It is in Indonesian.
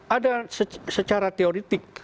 ada secara teoritik